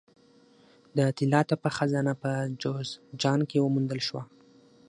د طلا تپه خزانه په جوزجان کې وموندل شوه